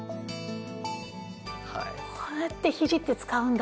こうやってひじって使うんだ。